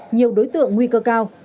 nhiều đối tượng nguyên cơ cao